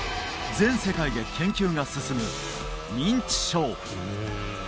全世界で研究が進む認知症